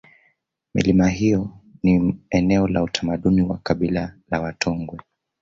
milima hiyo ni eneo la utamaduni kwa kabila la watongwe